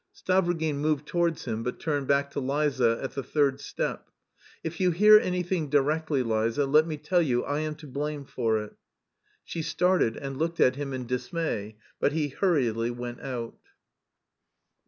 Stavrogin moved towards him but turned back to Liza at the third step. "If you hear anything directly, Liza, let me tell you I am to blame for it!" She started and looked at him in dismay; but he hurriedly went out.